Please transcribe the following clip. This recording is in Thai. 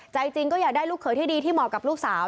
ใจจริงก็อยากได้ลูกเขยที่ดีที่เหมาะกับลูกสาว